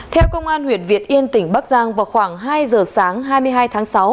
theo công an huyện việt yên tỉnh bắc giang vào khoảng hai giờ sáng hai mươi hai tháng sáu